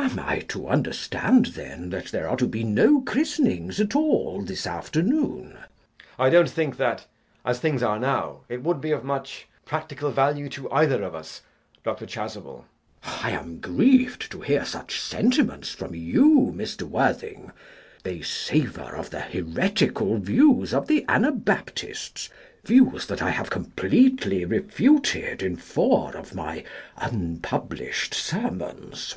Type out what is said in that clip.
CHASUBLE. Am I to understand then that there are to be no christenings at all this afternoon? JACK. I don't think that, as things are now, it would be of much practical value to either of us, Dr. Chasuble. CHASUBLE. I am grieved to hear such sentiments from you, Mr. Worthing. They savour of the heretical views of the Anabaptists, views that I have completely refuted in four of my unpublished sermons.